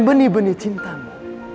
seni jadi cintamu